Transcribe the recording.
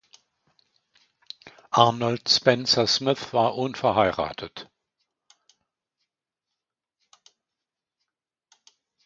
Arnold Spencer-Smith war unverheiratet.